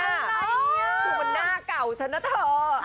มันอะไรเนี่ยคือมันหน้าเก่าฉันน่ะเธอ